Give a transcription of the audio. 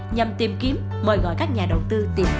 nhằm tìm kiếm mời gọi các nhà đầu tư tiềm năng